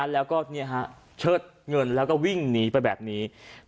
แล้วก็เชิดเงินแล้วก็วิ่งหนีไปแบบนี้